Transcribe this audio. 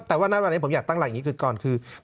แต่ว่าหน้าวันที่ผมอยากตั้งหลังอย่างนี้คือก่อน